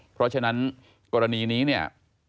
เพราะฉะนั้นกรณีนี้เนี่ย